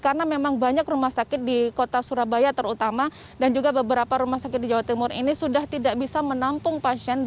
karena memang banyak rumah sakit di kota surabaya terutama dan juga beberapa rumah sakit di jawa timur ini sudah tidak bisa menampung